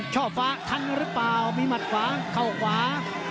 ชอบฟ้าทันหรือเปล่ามีหมัดขวาเข้าขวา